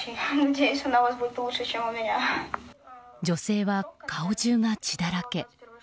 女性は顔中が血だらけ。